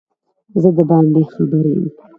زه دباندي خبر یم